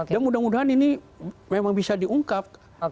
dan mudah mudahan ini memang bisa diungkap